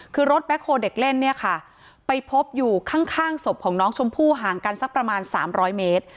คือรถแคลเด็กเล่นเนี่ยค่ะไปพบอยู่ข้างศพของน้องชมพู่ห่างกันสักประมาณ๓๐๐เมตร